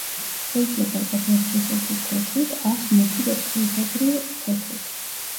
შეიძლება იყოს ვეფხვისებრი თეთრით ახ მუქი ვეფხვისებრი თეთრით.